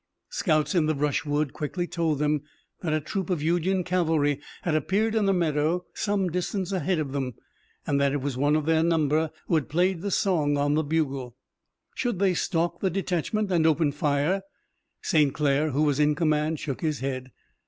Scouts in the brushwood quickly told them that a troop of Union cavalry had appeared in a meadow some distance ahead of them, and that it was one of their number who had played the song on the bugle. Should they stalk the detachment and open fire? St. Clair, who was in command, shook his head.